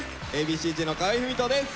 Ａ．Ｂ．Ｃ−Ｚの河合郁人です。